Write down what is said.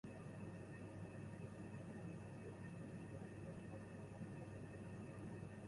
康定耳蕨为鳞毛蕨科耳蕨属下的一个种。